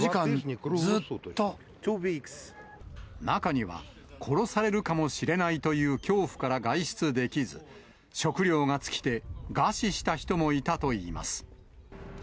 中には、殺されるかもしれないという恐怖から外出できず、食料が尽きて、餓死した人もいたといいます。